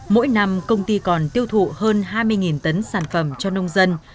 mỗi năm công ty còn tiêu thụ hơn hai mươi tấn sản phẩm cho nông dân